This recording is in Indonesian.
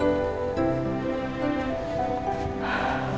aku mau ke rumah